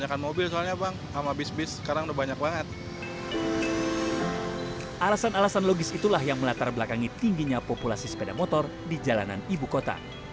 alasan alasan logis itulah yang melatar belakangi tingginya populasi sepeda motor di jalanan ibu kota